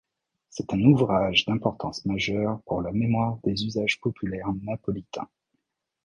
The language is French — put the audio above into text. C'est un ouvrage d'importance majeure pour la mémoire des usages populaires napolitains.